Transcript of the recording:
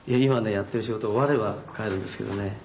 今ねやってる仕事が終われば帰るんですけどね。